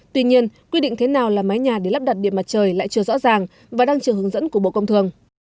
tuy nhiên quy định thế nào làm mái nhà để lắp đặt điện mặt trời lại chưa rõ ràng và đang trường hướng dẫn của bộ công thường